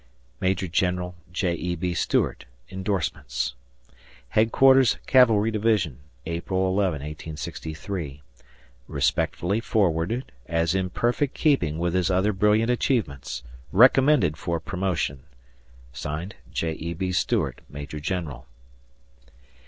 Maj. Gen. J. E. B. Stuart. [Indorsements] Headquarters Cavalry Division, April 11, 1863. Respectfully forwarded, as in perfect keeping with his other brilliant achievements. Recommended for promotion. J. E. B. Stuart, Major General.